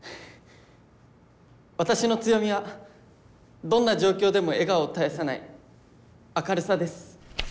私の強みはどんな状況でも笑顔を絶やさない明るさです。